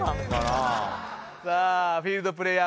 さあフィールドプレーヤー